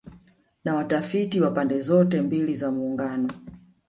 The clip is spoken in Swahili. na watafiti wa pande zote mbili za Muungano